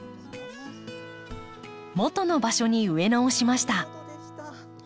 元の場所に植え直しました。